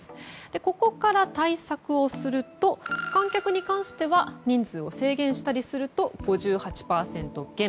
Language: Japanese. ここから対策をすると観客に対しては人数を制限したりすると５８％減。